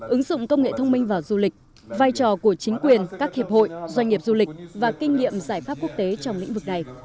ứng dụng công nghệ thông minh vào du lịch vai trò của chính quyền các hiệp hội doanh nghiệp du lịch và kinh nghiệm giải pháp quốc tế trong lĩnh vực này